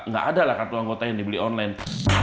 nggak ada lah kartu anggota yang dibeli online